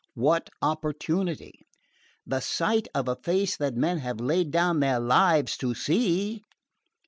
"What opportunity?" "The sight of a face that men have laid down their lives to see."